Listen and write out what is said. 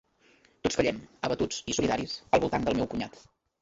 Tots callem, abatuts i solidaris, al voltant del meu cunyat.